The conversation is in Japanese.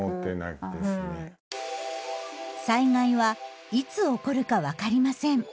災害はいつ起こるか分かりません。